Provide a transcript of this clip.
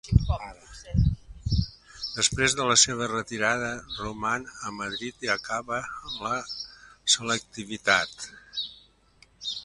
Després de la seva retirada, roman a Madrid i acaba la selectivitat.